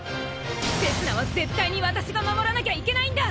せつなは絶対に私が守らなきゃいけないんだ。